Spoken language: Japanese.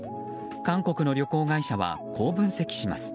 韓国の旅行会社はこう分析します。